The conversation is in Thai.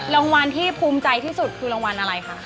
รางวัลที่ภูมิใจที่สุดคือรางวัลอะไรคะ